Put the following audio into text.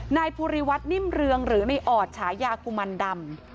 นายภูริวัฒนิ่มเรืองหรือในออดฉายากุมันดำ